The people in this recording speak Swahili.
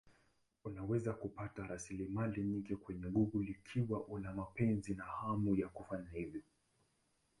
Unaweza kupata rasilimali nyingi kwenye Google ikiwa una mapenzi na hamu ya kufanya hivyo.